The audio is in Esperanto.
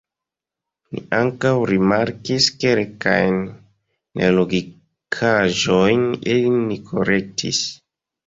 Ni ankaŭ rimarkis kelkajn nelogikaĵojn ilin ni korektis.